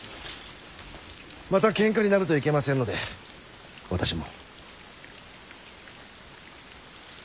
またけんかになるといけませんので私も。